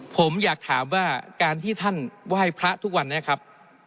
ผมอยากถามว่าการที่ท่านไหว้พระทุกวันนี้ครับ